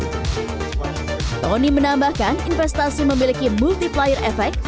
tony menambahkan investasi memiliki multiplier effect